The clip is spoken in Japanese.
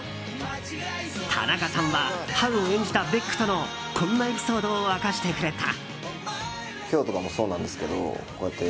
田中さんはハウを演じたベックとのこんなエピソードを明かしてくれた。